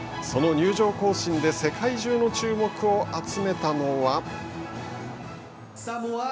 その入場行進で世界中の注目を集めたのは。